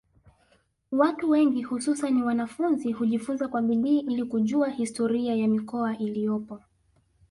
Watu wengi hususani wanafunzi hujifunza kwa bidii ili kujua historia ya mikoa iliyopo